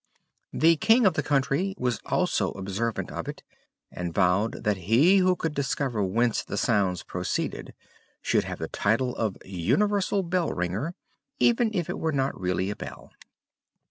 The king of the country was also observant of it, and vowed that he who could discover whence the sounds proceeded, should have the title of "Universal Bell ringer," even if it were not really a bell.